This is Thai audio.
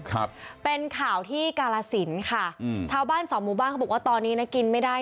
ครับเป็นข่าวที่กาลสินค่ะอืมชาวบ้านสองหมู่บ้านเขาบอกว่าตอนนี้นะกินไม่ได้